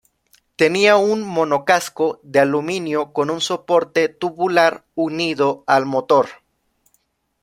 Tenía un monocasco de aluminio con un soporte tubular unido al motor.